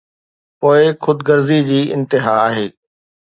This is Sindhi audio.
پوءِ خود غرضي جي انتها آهي.